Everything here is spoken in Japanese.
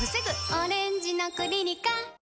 「オレンジのクリニカ」